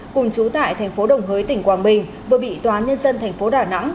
cùng chú tại tp đồng hới tỉnh quảng bình vừa bị tòa nhân dân tp đà nẵng